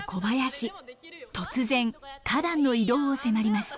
突然花壇の移動を迫ります。